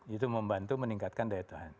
itu membantu meningkatkan daya tahan